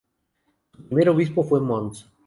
Su primer obispo fue Mons.